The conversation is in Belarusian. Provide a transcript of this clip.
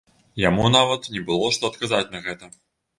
Яму нават не было што адказаць на гэта.